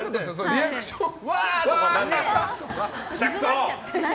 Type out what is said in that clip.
リアクションを。